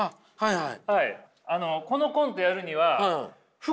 はい。